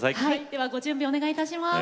ではご準備お願いいたします。